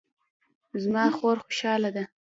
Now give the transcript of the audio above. زما خور خوشحاله ده